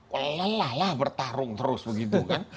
lelah lelah bertarung terus begitu kan